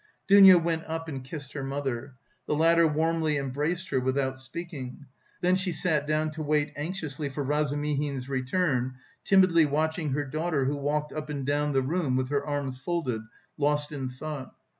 Dounia went up and kissed her mother. The latter warmly embraced her without speaking. Then she sat down to wait anxiously for Razumihin's return, timidly watching her daughter who walked up and down the room with her arms folded, lost in thought.